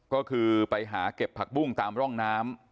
ก็คือไปหาเก็บผักบุ้งตามร่องน้ำ